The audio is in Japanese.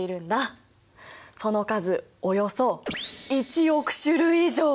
その数およそ１億種類以上！